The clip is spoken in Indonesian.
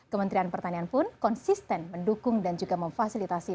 kementerian pertanian pun konsisten mendukung dan juga memfasilitasi